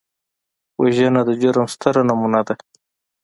وژنه د جرم ستره نمونه ده